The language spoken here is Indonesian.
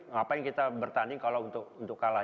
ngapain kita bertanding kalau untuk kalah